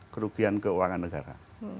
kerugian keuangan negara